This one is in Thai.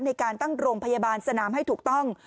ในการตั้งโรงพยาบาลสนามให้ถูกต้อง